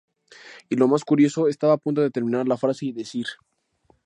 Y lo más curioso: estaba a punto de terminar la frase y decir...